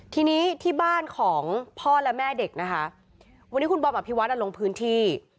ทีนี้ที่บ้านของพ่อและแม่เด็กนะคะวันนี้คุณบอมอภิวัตลงพื้นที่